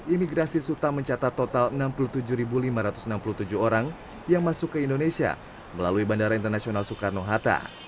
imigrasi suta mencatat total enam puluh tujuh lima ratus enam puluh tujuh orang yang masuk ke indonesia melalui bandara internasional soekarno hatta